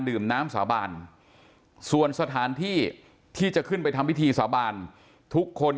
ดื่มน้ำสาบานส่วนสถานที่ที่จะขึ้นไปทำพิธีสาบานทุกคน